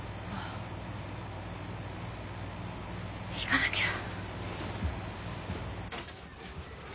行かなきゃ。